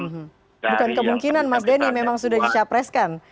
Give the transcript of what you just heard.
bukan kemungkinan mas denny memang sudah dicapreskan